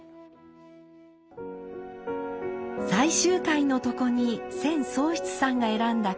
最終回の床に千宗室さんが選んだ掛